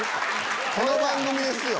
この番組ですよ！